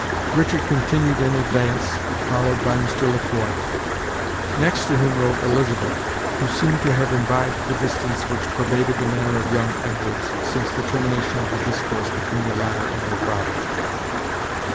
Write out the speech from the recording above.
Richard continued in advance, followed by Mr. Le Quoi; next to whom rode Elizabeth, who seemed to have imbibed the distance which pervaded the manner of young Edwards since the termination of the discourse between the latter and her father.